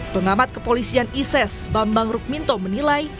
pengamat kepolisian ises bambang rukminto menilai